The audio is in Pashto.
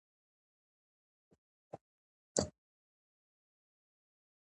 د علم حاصلول د پرمختګ لپاره ګټور دی.